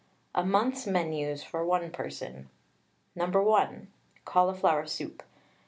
A MONTH'S MENUS FOR ONE PERSON. No. 1. CAULIFLOWER SOUP.